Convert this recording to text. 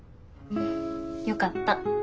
よかった。